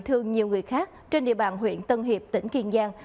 thương nhiều người khác trên địa bàn huyện tân hiệp tỉnh kiên giang